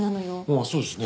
ああそうですね。